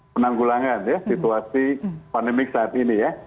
penanggulangan ya situasi pandemik saat ini ya